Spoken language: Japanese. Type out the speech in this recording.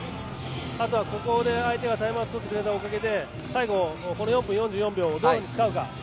ここで相手がタイムアウトをとってくれたおかげで最後、この４分４４秒をどういうふうに使うか。